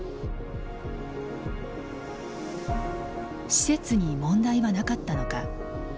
施設に問題はなかったのか。